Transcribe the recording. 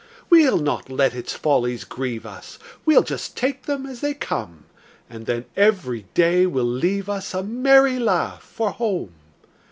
We'll not let its follies grieve us, We'll just take them as they come; And then every day will leave us A merry laugh for home.